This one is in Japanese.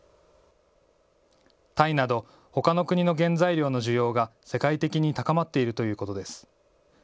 タイなど、ほかの国の原材料の需要が世界的に高まっているということです。